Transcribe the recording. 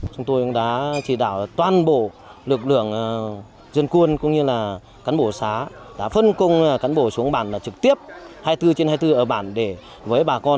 chúng tôi cũng đã chỉ đạo toàn bộ lực lượng dân quân cũng như là cán bộ xá đã phân công cán bộ xuống bản là trực tiếp hai mươi bốn trên hai mươi bốn ở bản để với bà con